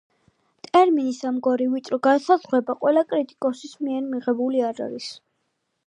ტერმინის ამგვარი ვიწრო განსაზღვრება ყველა კრიტიკოსის მიერ მიღებული არ არის.